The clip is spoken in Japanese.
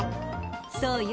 そうよ。